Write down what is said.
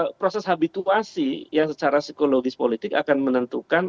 jadi memang proses habituasi yang secara psikologis politik akan menentukan